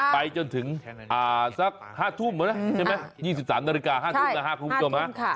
ไปจนถึงอ่าสัก๕ทุ่มเหรอใช่ไหม๒๓นาฬิกา๕ทุ่มค่ะ